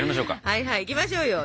はいはいいきましょうよ。